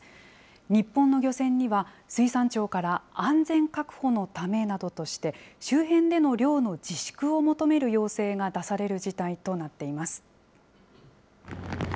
日本の漁船には、水産庁から安全確保のためなどとして、周辺での漁の自粛を求める要請が出される事態となっています。